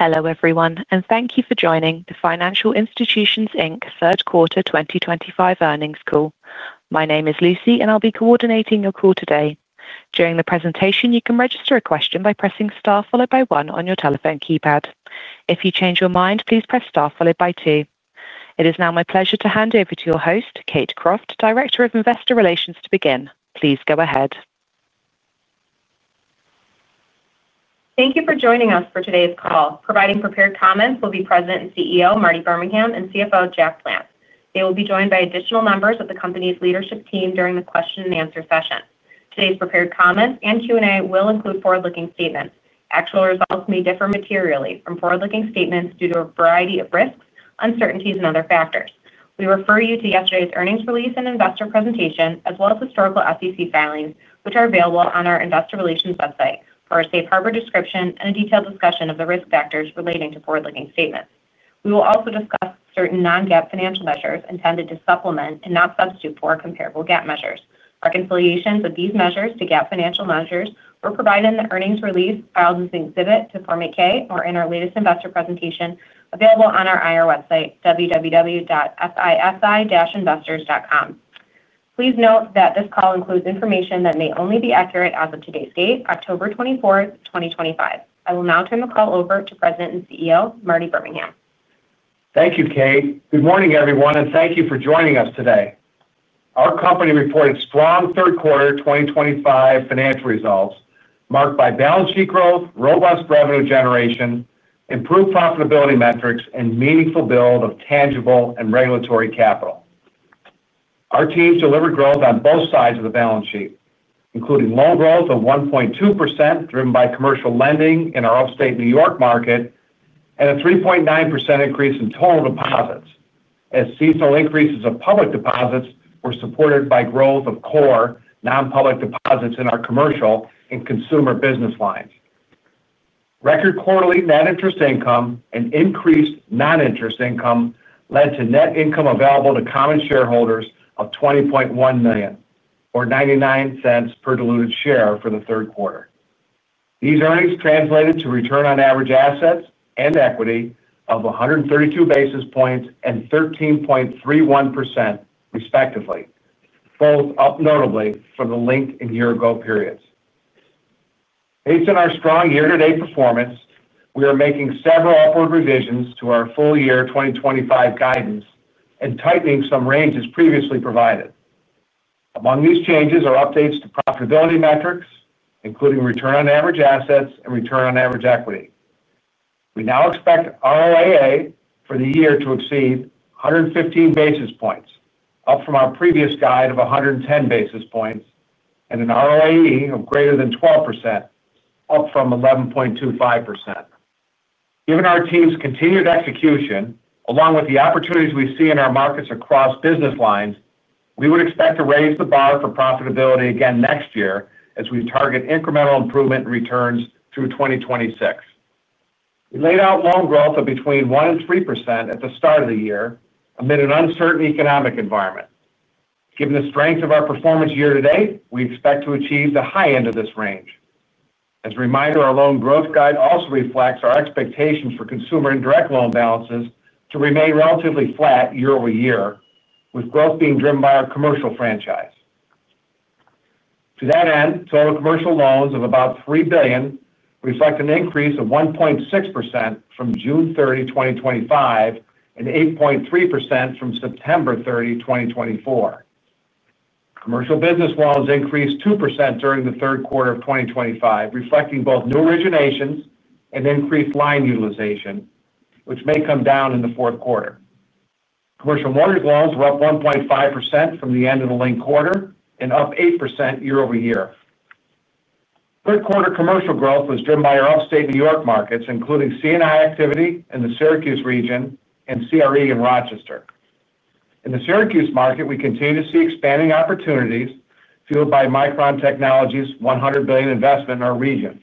Hello everyone, and thank you for joining the Financial Institutions Inc third quarter 2025 earnings call. My name is Lucy, and I'll be coordinating your call today. During the presentation, you can register a question by pressing star one on your telephone keypad. If you change your mind, please press star two. It is now my pleasure to hand over to your host, Kate Croft, Director of Investor Relations, to begin. Please go ahead. Thank you for joining us for today's call. Providing prepared comments will be President and CEO Martin Birmingham and CFO Jack Plants. They will be joined by additional members of the company's leadership team during the question and answer session. Today's prepared comments and Q&A will include forward-looking statements. Actual results may differ materially from forward-looking statements due to a variety of risks, uncertainties, and other factors. We refer you to yesterday's earnings release and investor presentation, as well as historical SEC filings, which are available on our Investor Relations website, for a safe harbor description and a detailed discussion of the risk factors relating to forward-looking statements. We will also discuss certain non-GAAP financial measures intended to supplement and not substitute for comparable GAAP measures. Reconciliations of these measures to GAAP financial measures were provided in the earnings release filed as an exhibit to Form 8-K, or in our latest investor presentation available on our IR website, www.fis-investors.com. Please note that this call includes information that may only be accurate as of today's date, October 24, 2025. I will now turn the call over to President and CEO Martin Birmingham. Thank you, Kate. Good morning, everyone, and thank you for joining us today. Our company reported strong third quarter 2025 financial results marked by balance sheet growth, robust revenue generation, improved profitability metrics, and a meaningful build of tangible and regulatory capital. Our teams delivered growth on both sides of the balance sheet, including loan growth of 1.2% driven by commercial lending in our upstate New York market and a 3.9% increase in total deposits, as seasonal increases of public deposits were supported by growth of core non-public deposits in our commercial and consumer business lines. Record quarterly net interest income and increased non-interest income led to net income available to common shareholders of $20.1 million, or $0.99 per diluted share for the third quarter. These earnings translated to return on average assets and equity of 132 basis points and 13.31% respectively, both up notably from the linked and year-ago periods. Based on our strong year-to-date performance, we are making several upward revisions to our full year 2025 guidance and tightening some ranges previously provided. Among these changes are updates to profitability metrics, including return on average assets and return on average equity. We now expect ROAA for the year to exceed 115 basis points, up from our previous guide of 110 basis points, and an ROAE of greater than 12%, up from 11.25%. Given our team's continued execution, along with the opportunities we see in our markets across business lines, we would expect to raise the bar for profitability again next year as we target incremental improvement in returns through 2026. We laid out loan growth of between 1% and 3% at the start of the year, amid an uncertain economic environment. Given the strength of our performance year to date, we expect to achieve the high end of this range. As a reminder, our loan growth guide also reflects our expectations for consumer indirect loan balances to remain relatively flat year-over year, with growth being driven by our commercial franchise. To that end, total commercial loans of about $3 billion reflect an increase of 1.6% from June 30, 2025 and 8.3% from September 30, 2024. Commercial business loans increased 2% during the third quarter of 2025, reflecting both new originations and increased line utilization, which may come down in the fourth quarter. Commercial mortgage loans were up 1.5% from the end of the linked quarter and up 8% year-over-year. Third quarter commercial growth was driven by our upstate New York markets, including CNI activity in the Syracuse region and CRE in Rochester. In the Syracuse market, we continue to see expanding opportunities fueled by Micron Technology $100 billion investment in our region.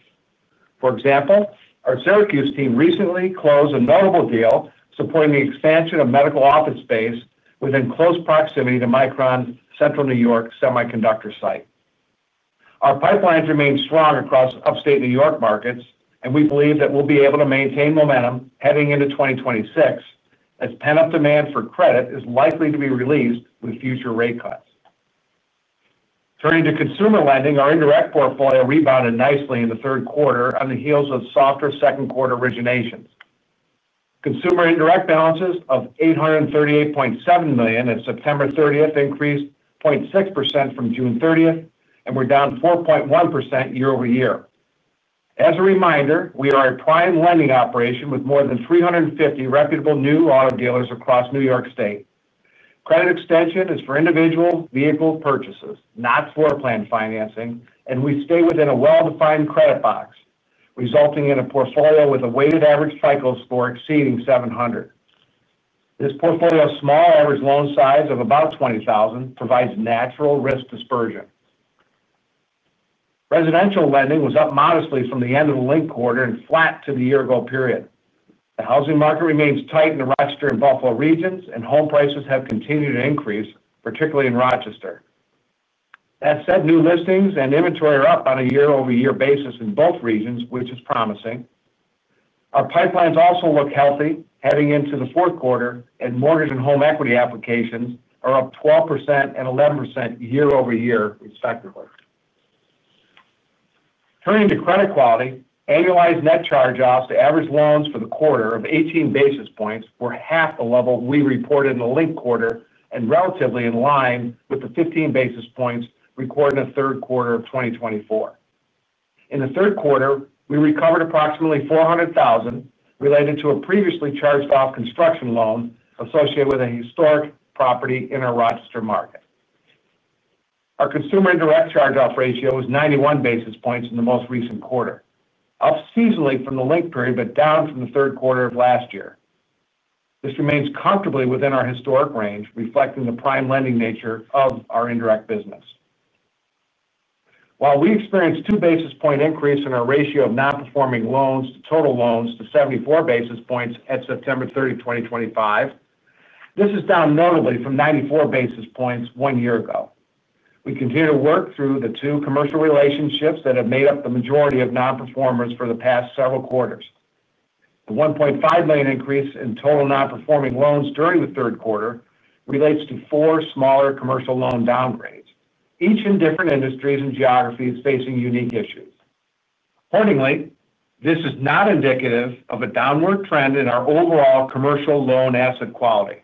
For example, our Syracuse team recently closed a notable deal supporting the expansion of medical office space within close proximity to Micron's Central New York semiconductor site. Our pipelines remain strong across upstate New York markets, and we believe that we'll be able to maintain momentum heading into 2026 as pent-up demand for credit is likely to be released with future rate cuts. Turning to consumer lending, our indirect portfolio rebounded nicely in the third quarter on the heels of softer second quarter originations. Consumer indirect balances of $838.7 million at September 30th increased 0.6% from June 30th, and were down 4.1% year-over-year. As a reminder, we are a prime lending operation with more than 350 reputable new auto dealers across New York State. Credit extension is for individual vehicle purchases, not for planned financing, and we stay within a well-defined credit box, resulting in a portfolio with a weighted average FICO score exceeding 700. This portfolio's small average loan size of about $20,000 provides natural risk dispersion. Residential lending was up modestly from the end of the linked quarter and flat to the year-ago period. The housing market remains tight in the Rochester and Buffalo regions, and home prices have continued to increase, particularly in Rochester. That said, new listings and inventory are up on a year-over-year basis in both regions, which is promising. Our pipelines also look healthy heading into the fourth quarter, and mortgage and home equity applications are up 12% and 11% year-over-year, respectively. Turning to credit quality, annualized net charge-offs to average loans for the quarter of 18 basis points were half the level we reported in the linked quarter and relatively in line with the 15 basis points recorded in the third quarter of 2024. In the third quarter, we recovered approximately $400,000 related to a previously charged-off construction loan associated with a historic property in our Rochester market. Our consumer indirect charge-off ratio was 91 basis points in the most recent quarter, up seasonally from the linked period but down from the third quarter of last year. This remains comfortably within our historic range, reflecting the prime lending nature of our indirect business. While we experienced a two basis point increase in our ratio of non-performing loans to total loans to 74 basis points at September 30, 2025, this is down notably from 94 basis points one year ago. We continue to work through the two commercial relationships that have made up the majority of non-performers for the past several quarters. The $1.5 million increase in total non-performing loans during the third quarter relates to four smaller commercial loan downgrades, each in different industries and geographies facing unique issues. Accordingly, this is not indicative of a downward trend in our overall commercial loan asset quality.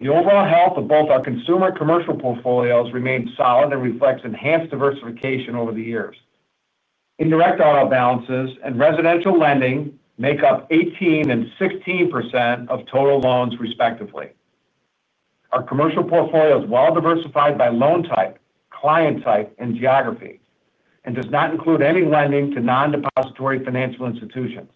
The overall health of both our consumer and commercial portfolios remains solid and reflects enhanced diversification over the years. Indirect auto balances and residential lending make up 18% and 16% of total loans, respectively. Our commercial portfolio is well diversified by loan type, client type, and geography and does not include any lending to non-depository financial institutions.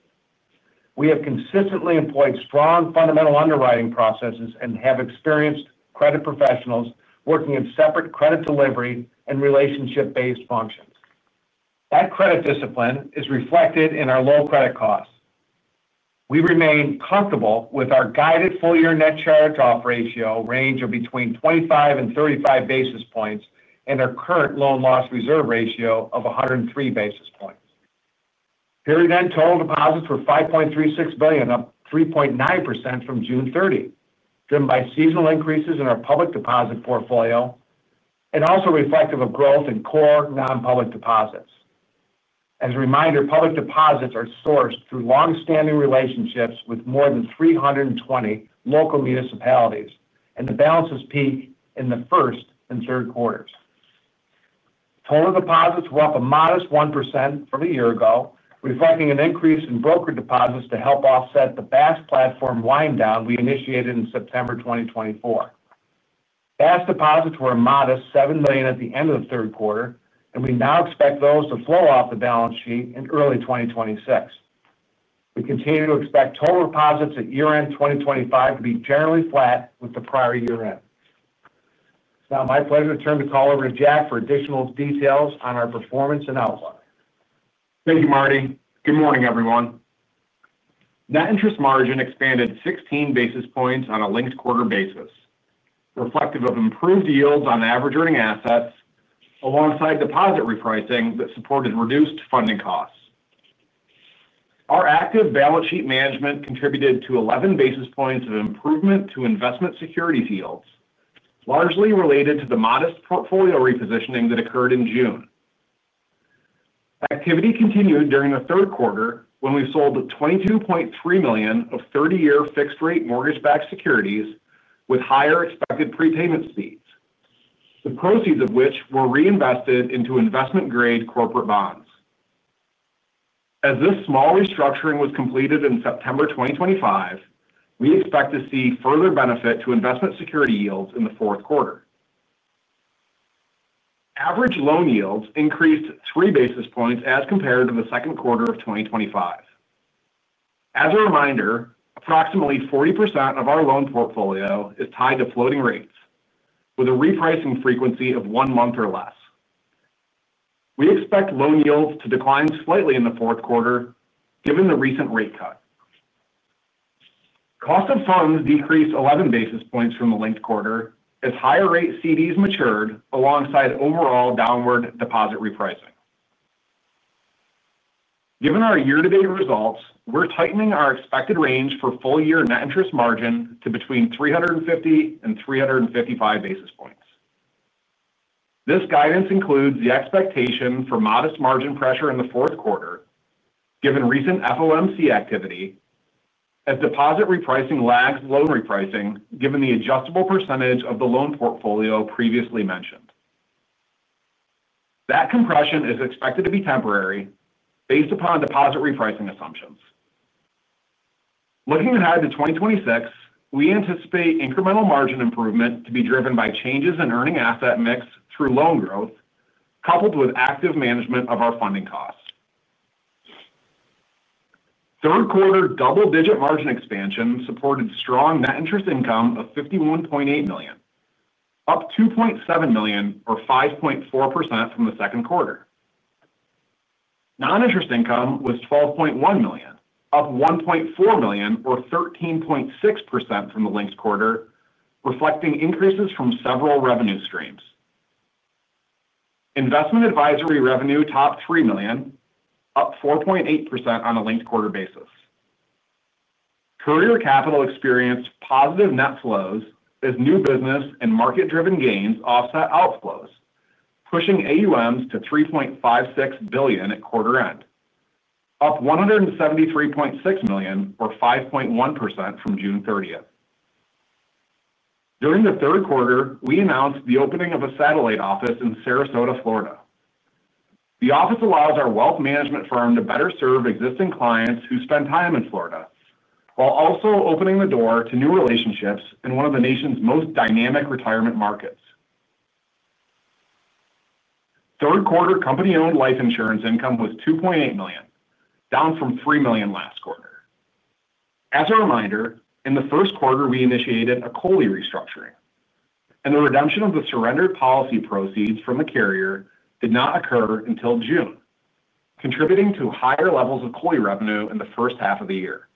We have consistently employed strong fundamental underwriting processes and have experienced credit professionals working in separate credit delivery and relationship-based functions. That credit discipline is reflected in our low credit costs. We remain comfortable with our guided full-year net charge-off ratio range of between 25 and 35 basis points and our current loan loss reserve ratio of 103 basis points. Period-end total deposits were $5.36 billion, up 3.9% from June 30, driven by seasonal increases in our public deposit portfolio and also reflective of growth in core non-public deposits. As a reminder, public deposits are sourced through long-standing relationships with more than 320 local municipalities, and the balances peak in the first and third quarters. Total deposits were up a modest 1% from a year ago, reflecting an increase in broker deposits to help offset the banking as a service platform wind-down we initiated in September 2024. Banking as a service deposits were a modest $7 million at the end of the third quarter, and we now expect those to flow off the balance sheet in early 2026. We continue to expect total deposits at year-end 2025 to be generally flat with the prior year-end. It's now my pleasure to turn the call over to Jack for additional details on our performance and outlook. Thank you, Marty. Good morning, everyone. Net interest margin expanded 16 basis points on a linked quarter basis, reflective of improved yields on average earning assets alongside deposit repricing that supported reduced funding costs. Our active balance sheet management contributed to 11 basis points of improvement to investment securities yields, largely related to the modest portfolio repositioning that occurred in June. Activity continued during the third quarter when we sold $22.3 million of 30-year fixed-rate mortgage-backed securities with higher expected prepayment speeds, the proceeds of which were reinvested into investment-grade corporate bonds. As this small restructuring was completed in September 2025, we expect to see further benefit to investment security yields in the fourth quarter. Average loan yields increased 3 basis points as compared to the second quarter of 2025. As a reminder, approximately 40% of our loan portfolio is tied to floating rates, with a repricing frequency of one month or less. We expect loan yields to decline slightly in the fourth quarter, given the recent rate cut. Cost of funds decreased 11 basis points from the linked quarter as higher-rate CDs matured alongside overall downward deposit repricing. Given our year-to-date results, we're tightening our expected range for full-year net interest margin to between 350 and 355 basis points. This guidance includes the expectation for modest margin pressure in the fourth quarter, given recent FOMC activity, as deposit repricing lags loan repricing, given the adjustable percentage of the loan portfolio previously mentioned. That compression is expected to be temporary based upon deposit repricing assumptions. Looking ahead to 2026, we anticipate incremental margin improvement to be driven by changes in earning asset mix through loan growth, coupled with active management of our funding costs. Third quarter double-digit margin expansion supported strong net interest income of $51.8 million, up $2.7 million, or 5.4% from the second quarter. Non-interest income was $12.1 million, up $1.4 million, or 13.6% from the linked quarter, reflecting increases from several revenue streams. Investment advisory revenue topped $3 million, up 4.8% on a linked quarter basis. Courier Capital experienced positive net flows as new business and market-driven gains offset outflows, pushing AUMs to $3.56 billion at quarter end, up $173.6 million, or 5.1% from June 30th. During the third quarter, we announced the opening of a satellite office in Sarasota, Florida. The office allows our wealth management firm to better serve existing clients who spend time in Florida, while also opening the door to new relationships in one of the nation's most dynamic retirement markets. Third quarter company-owned life insurance income was $2.8 million, down from $3 million last quarter. As a reminder, in the first quarter, we initiated a COLI restructuring, and the redemption of the surrendered policy proceeds from the carrier did not occur until June, contributing to higher levels of COLI revenue in the first half of the year.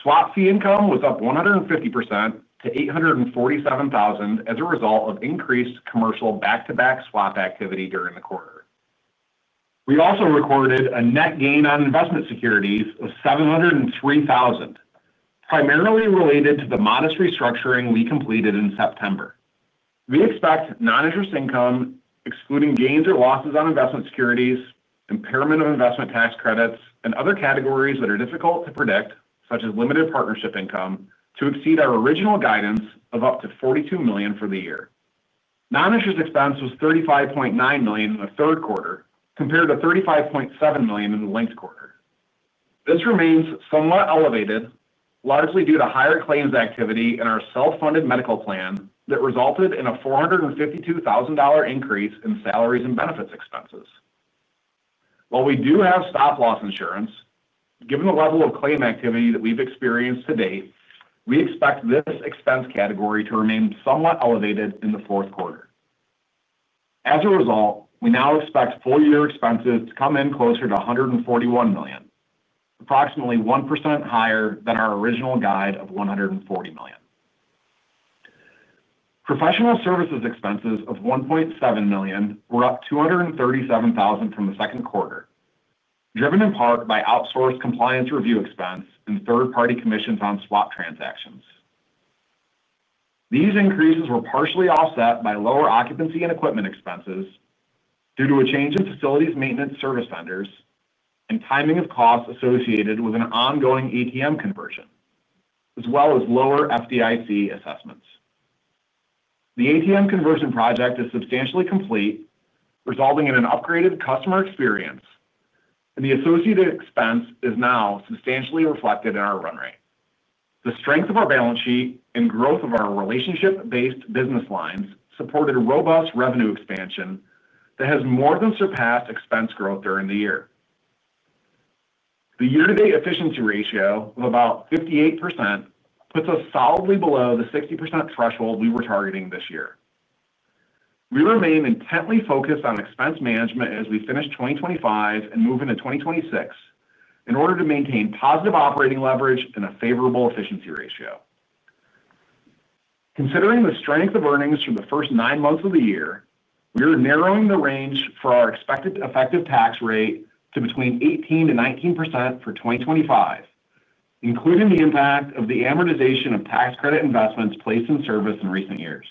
SWAP fee income was up 150% to $847,000 as a result of increased commercial back-to-back SWAP activity during the quarter. We also recorded a net gain on investment securities of $703,000, primarily related to the modest restructuring we completed in September. We expect non-interest income, excluding gains or losses on investment securities, impairment of investment tax credits, and other categories that are difficult to predict, such as limited partnership income, to exceed our original guidance of up to $42 million for the year. Non-interest expense was $35.9 million in the third quarter, compared to $35.7 million in the linked quarter. This remains somewhat elevated, largely due to higher claims activity in our self-funded medical plan that resulted in a $452,000 increase in salaries and benefits expenses. While we do have stop-loss insurance, given the level of claim activity that we've experienced to date, we expect this expense category to remain somewhat elevated in the fourth quarter. As a result, we now expect full-year expenses to come in closer to $141 million, approximately 1% higher than our original guide of $140 million. Professional services expenses of $1.7 million were up $237,000 from the second quarter, driven in part by outsourced compliance review expense and third-party commissions on SWAP transactions. These increases were partially offset by lower occupancy and equipment expenses due to a change in facilities' maintenance service vendors and timing of costs associated with an ongoing ATM conversion, as well as lower FDIC assessments. The ATM conversion project is substantially complete, resulting in an upgraded customer experience, and the associated expense is now substantially reflected in our run rate. The strength of our balance sheet and growth of our relationship-based business lines supported robust revenue expansion that has more than surpassed expense growth during the year. The year-to-date efficiency ratio of about 58% puts us solidly below the 60% threshold we were targeting this year. We remain intently focused on expense management as we finish 2025 and move into 2026 in order to maintain positive operating leverage and a favorable efficiency ratio. Considering the strength of earnings from the first nine months of the year, we are narrowing the range for our expected effective tax rate to between 18%-19% for 2025, including the impact of the amortization of tax credit investments placed in service in recent years.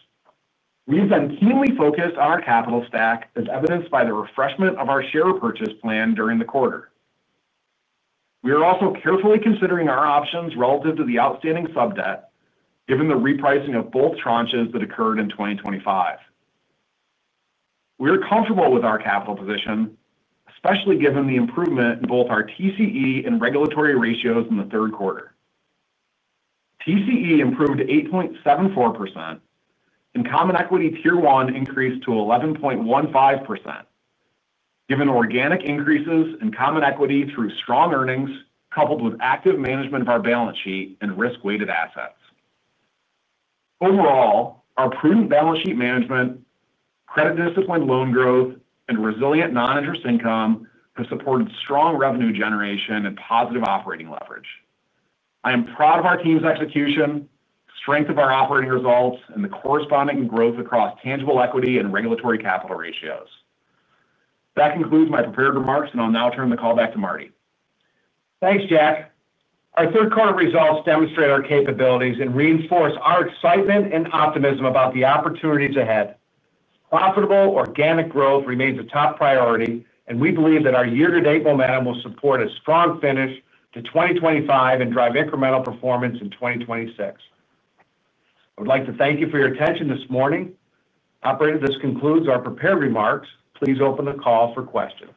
We've been keenly focused on our capital stack, as evidenced by the refreshment of our share purchase plan during the quarter. We are also carefully considering our options relative to the outstanding sub debt, given the repricing of both tranches that occurred in 2025. We are comfortable with our capital position, especially given the improvement in both our TCE and regulatory ratios in the third quarter. TCE improved to 8.74%, and common equity Tier 1 increased to 11.15%, given organic increases in common equity through strong earnings, coupled with active management of our balance sheet and risk-weighted assets. Overall, our prudent balance sheet management, credit discipline, loan growth, and resilient non-interest income have supported strong revenue generation and positive operating leverage. I am proud of our team's execution, the strength of our operating results, and the corresponding growth across tangible equity and regulatory capital ratios. That concludes my prepared remarks, and I'll now turn the call back to Marty. Thanks, Jack. Our third quarter results demonstrate our capabilities and reinforce our excitement and optimism about the opportunities ahead. Profitable organic growth remains a top priority, and we believe that our year-to-date momentum will support a strong finish to 2025 and drive incremental performance in 2026. I would like to thank you for your attention this morning. Operator, this concludes our prepared remarks. Please open the call for questions.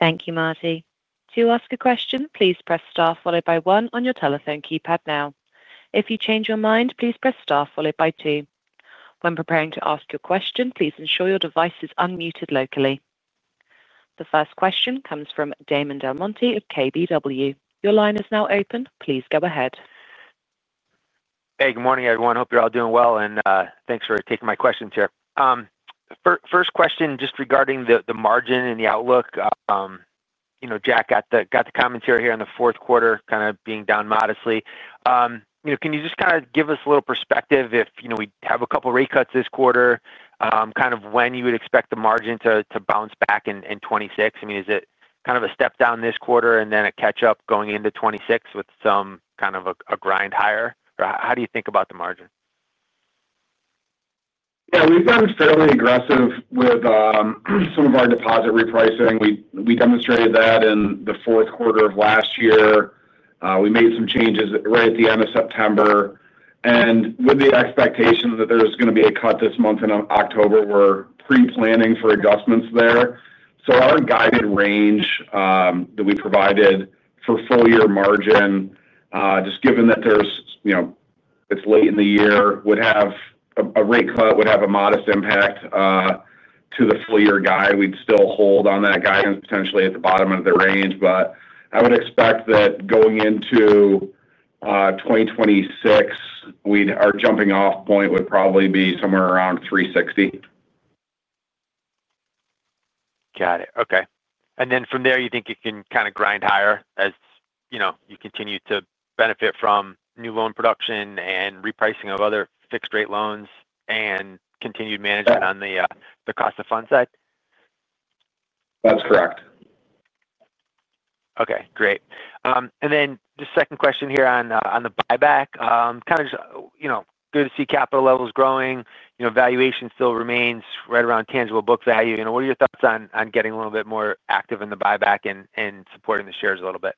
Thank you, Marty. To ask a question, please press star one on your telephone keypad now. If you change your mind, please press star two. When preparing to ask your question, please ensure your device is unmuted locally. The first question comes from Damon DelMonte of KBW. Your line is now open. Please go ahead. Hey, good morning, everyone. Hope you're all doing well, and thanks for taking my questions here. First question just regarding the margin and the outlook. You know, Jack, got the commentary here in the fourth quarter kind of being down modestly. Can you just kind of give us a little perspective if we have a couple of rate cuts this quarter, kind of when you would expect the margin to bounce back in 2026? I mean, is it kind of a step down this quarter and then a catch-up going into 2026 with some kind of a grind higher? How do you think about the margin? Yeah, we've gotten fairly aggressive with some of our deposit repricing. We demonstrated that in the fourth quarter of last year. We made some changes right at the end of September. With the expectation that there's going to be a cut this month in October, we're pre-planning for adjustments there. Our guided range that we provided for full-year margin, just given that there's, you know, it's late in the year, would have a rate cut, would have a modest impact to the full-year guide. We'd still hold on that guidance potentially at the bottom of the range. I would expect that going into 2026, our jumping-off point would probably be somewhere around $360. Got it. Okay. From there, you think you can kind of grind higher as you know, you continue to benefit from new loan production and repricing of other fixed-rate loans and continued management on the cost of funds side? That's correct. Okay, great. Just a second question here on the buyback. Kind of just, you know, good to see capital levels growing. You know, valuation still remains right around tangible book. What are your thoughts on getting a little bit more active in the buyback and supporting the shares a little bit?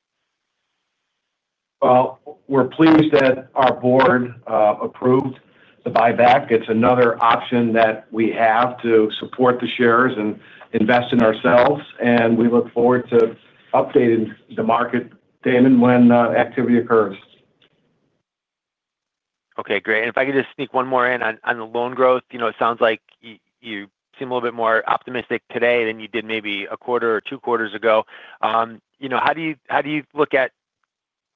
We are pleased that our board approved the buyback. It's another option that we have to support the shares and invest in ourselves. We look forward to updating the market, Damon, when activity occurs. Okay, great. If I could just sneak one more in on the loan growth, it sounds like you seem a little bit more optimistic today than you did maybe a quarter or two quarters ago. How do you look at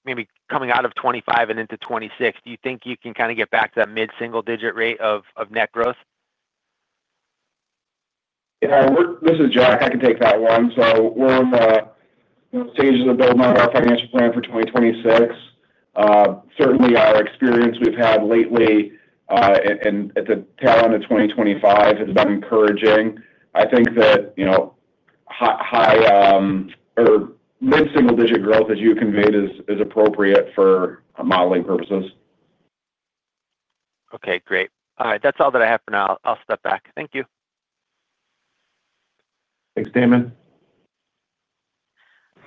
maybe coming out of 2025 and into 2026? Do you think you can kind of get back to that mid-single-digit rate of net growth? Yeah, this is Jack. I can take that one. We're in the stages of building up our financial plan for 2026. Certainly, our experience we've had lately and at the tail end of 2025 has been encouraging. I think that high or mid-single-digit growth, as you conveyed, is appropriate for modeling purposes. Okay, great. All right, that's all that I have for now. I'll step back. Thank you. Thanks, Damon.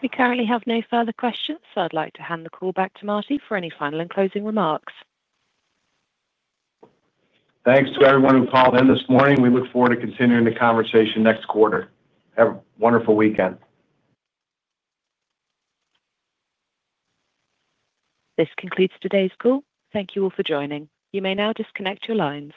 We currently have no further questions, so I'd like to hand the call back to Marty for any final and closing remarks. Thanks to everyone who called in this morning. We look forward to continuing the conversation next quarter. Have a wonderful weekend. This concludes today's call. Thank you all for joining. You may now disconnect your lines.